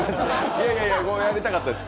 いやいや、これやりたかったです。